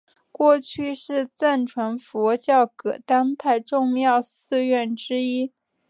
过去是藏传佛教噶当派重要寺院之一。